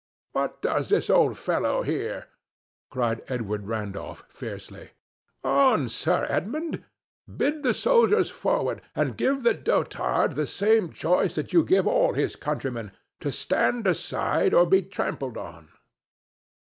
"What does this old fellow here?" cried Edward Randolph, fiercely.—"On, Sir Edmund! Bid the soldiers forward, and give the dotard the same choice that you give all his countrymen—to stand aside or be trampled on."